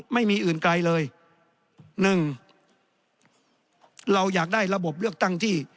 ไม่มีอื่นไกลเลยหนึ่งเราอยากได้ระบบเลือกตั้งที่